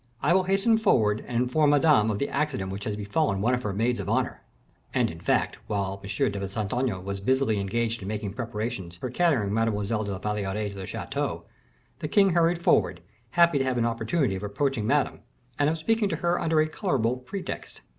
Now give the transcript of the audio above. I will hasten forward and inform Madame of the accident which has befallen one of her maids of honor." And, in fact, while M. de Saint Aignan was busily engaged in making preparations for carrying Mademoiselle de la Valliere to the chateau, the king hurried forward, happy to have an opportunity of approaching Madame, and of speaking to her under a colorable pretext.